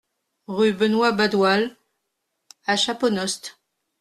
Rue Benoit Badoil à Chaponost